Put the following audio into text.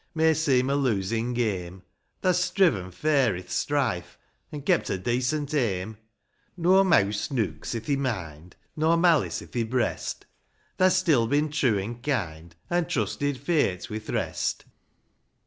May seem a losin' game, Thae's striven fair i'th strife, An' kept a dacent aim ; No meawse nooks'' i' thi mind, Nor malice i' thi breast, Thae's still bin true an' kind, An' trusted fate wi' th' rest.